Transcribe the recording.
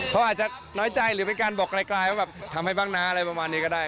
เขาอาจจะน้อยใจหรือเป็นการบอกไกลว่าแบบทำให้บ้างนะอะไรประมาณนี้ก็ได้